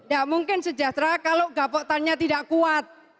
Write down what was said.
ya mungkin sejahtera kalau gapotannya tidak kuat